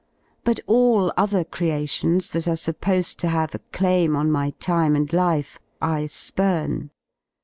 But allotHercreations that are J supposed to have a claim on my time and life I spurn.